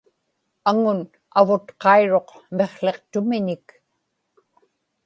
aŋun avutqairuq miqłiqtumiñik